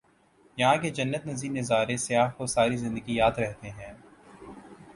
یہاں کے جنت نظیر نظارے سیاح کو ساری زندگی یاد رہتے ہیں